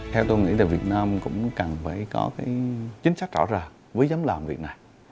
theo tôi nghĩ việt nam cũng cần phải có chính sách rõ ràng với giám làm việt nam